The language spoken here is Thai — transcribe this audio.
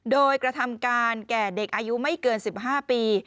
โดยกระทำการแก่เด็กอายุไม่เกิน๑๕ปี